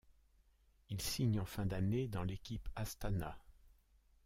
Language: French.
Il signe en fin d'année dans l'équipe Astana.